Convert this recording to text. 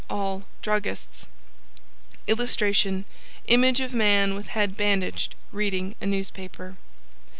All Druggists. [Illustration: Image of Man with head bandaged, reading a newspaper.